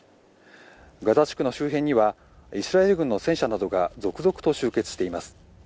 ガザ地区の周辺にはイスラエル軍の戦車などが続々と集結しています。